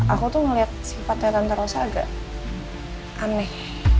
aku tuh ngeliat sifatnya tante rosa agak aneh